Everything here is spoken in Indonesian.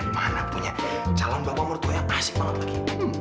mana punya calon bapak mertua yang asik malam lagi